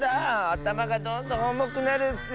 あたまがどんどんおもくなるッス！